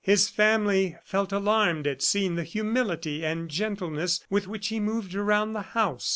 ... His family felt alarmed at seeing the humility and gentleness with which he moved around the house.